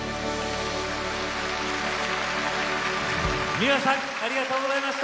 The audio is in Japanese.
ｍｉｗａさんありがとうございました。